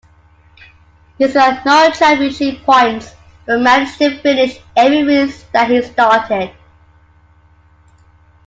He scored no championship points, but managed to finish every race that he started.